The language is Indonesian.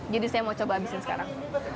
jadi saya mau coba habiskan sekarang